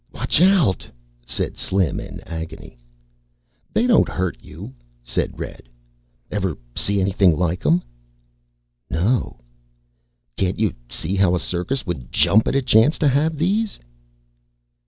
"Watch out," said Slim, in agony. "They don't hurt you," said Red. "Ever see anything like them?" "No." "Can't you see how a circus would jump at a chance to have these?"